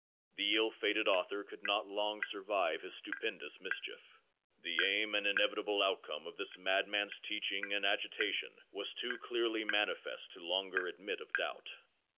The ill fated author could not long survive his stupendous mischief. The aim and inevitable outcome of this madman's teaching and agitation was too clearly manifest to longer admit of doubt.